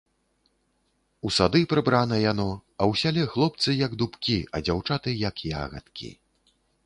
У сады прыбрана яно, а ў сяле хлопцы, як дубкі, а дзяўчаты, як ягадкі.